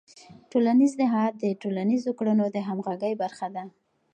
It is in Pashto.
ټولنیز نهاد د ټولنیزو کړنو د همغږۍ برخه ده.